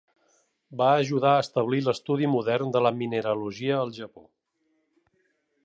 Va ajudar a establir l'estudi modern de la mineralogia al Japó.